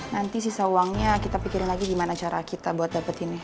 nanti sisa uangnya kita pikirin lagi gimana cara kita buat dapetin ini